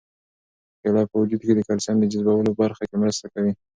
کیله په وجود کې د کلسیم د جذبولو په برخه کې مرسته کوي.